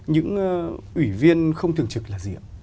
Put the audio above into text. những ủy viên không thường trực là gì ạ